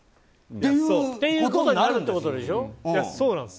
そういうことになるってことでしょ。